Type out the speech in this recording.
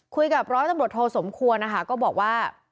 คุยกับร้อยตำรวจโทสมควรนะคะก็บอกว่า